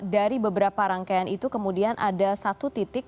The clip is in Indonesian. dari beberapa rangkaian itu kemudian ada satu titik